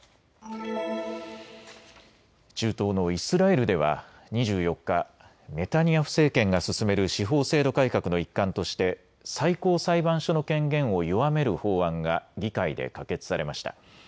中東のイスラエルでは２４日、ネタニヤフ政権が進める司法制度改革の一環として最高裁判所の権限を弱める法案が議会で可決されました。